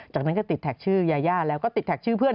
จากนั้นก็ติดแท็กชื่อยายาแล้วก็ติดแท็กชื่อเพื่อน